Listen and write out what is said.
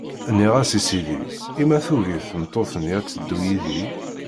Nniɣ-as i sidi: I ma tugi tmeṭṭut-nni ad d-teddu yid-i?